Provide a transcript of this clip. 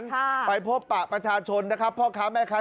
ค่ะไปพบปะประชาชนนะครับพ่อค้าแม่ค้า